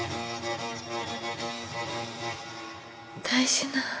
大事な。